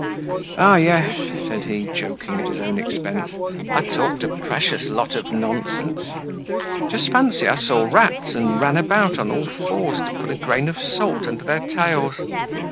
"Ah, yes," said he, joking at his own expense; "I talked a precious lot of nonsense! Just fancy, I saw rats and ran about on all fours to put a grain of salt under their tails.